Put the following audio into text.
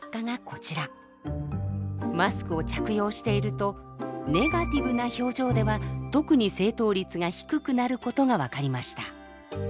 マスクを着用しているとネガティブな表情では特に正答率が低くなることが分かりました。